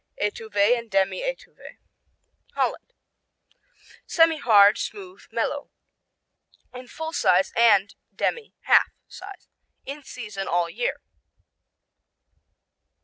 Étuve and Demi Étuve Holland Semihard; smooth; mellow. In full size and demi (half) size. In season all year.